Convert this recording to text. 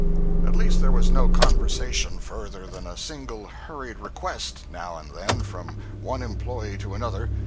At least there was no conversation further than a single hurried request, now and then, from one employee to another.